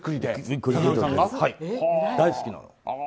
大好きなので。